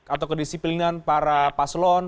atau kedisiplinan para paslon